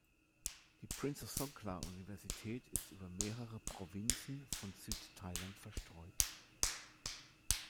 Die Prince of Songkla-Universität ist über mehrere Provinzen von Süd-Thailand verstreut.